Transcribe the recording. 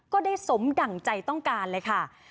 ก็ได้สมดั่งใจต้องการเลยค่ะ